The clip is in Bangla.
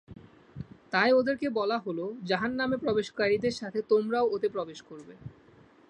তাই ওদেরকে বলা হল, জাহান্নামে প্রবেশকারীদের সাথে তোমরাও ওতে প্রবেশ কর।